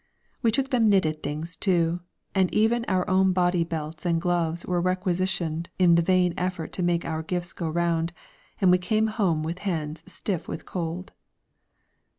We took them knitted things too and even our own body belts and gloves were requisitioned in the vain effort to make our gifts go round, and we came home with hands stiff with cold.